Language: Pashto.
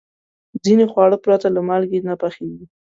ځینې خواړه پرته له مالګې نه پخېږي.